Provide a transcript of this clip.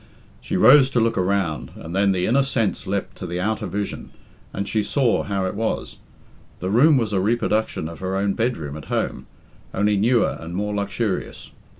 She rose to look around, and then the inner sense leapt to the outer vision, and she saw how it was. The room was a reproduction of her own bedroom at home, only newer and more luxurious.